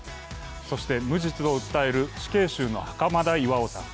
そして、無実を訴える死刑囚の袴田巌さん。